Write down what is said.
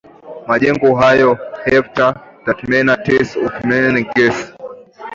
majengo hayo hepta theamata tes oikumenes ges